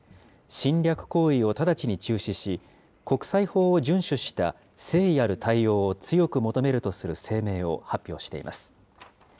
侵略行為を直ちに中止し、国際法を順守した誠意ある対応を強く求めるとする声明を発表しています。